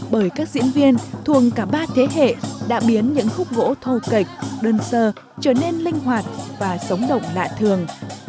bởi các diễn viên thuồng cả ba thế hệ đã biến những khúc gỗ thô kịch đơn sơ trở nên linh hoạt và sống động lạ thường